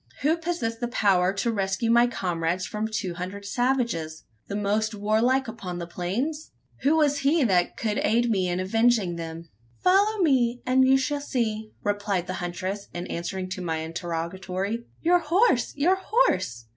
Who possessed the power to rescue my comrades from two hundred savages the most warlike upon the plains? Who was he that could aid me in avenging them? "Follow me, and you shall see!" replied the huntress, in answer to my interrogatory. "Your horse! your horse!